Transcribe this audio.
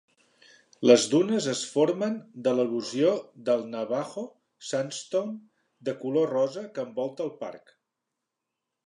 Les dunes es formen de l'erosió del Navajo Sandstone de color rosa que envolta el parc.